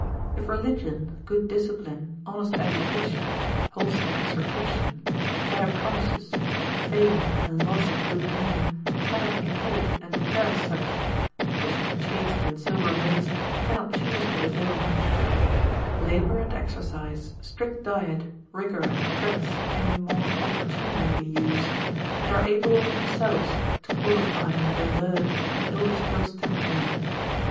If religion, good discipline, honest education, wholesome exhortation, fair promises, fame and loss of good name cannot inhibit and deter such, (which to chaste and sober maids cannot choose but avail much,) labour and exercise, strict diet, rigour and threats may more opportunely be used, and are able of themselves to qualify and divert an ill disposed temperament.